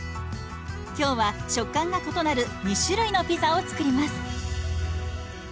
今日は食感が異なる２種類のピザを作ります。